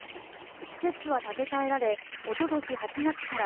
施設は建て替えられおととし８月から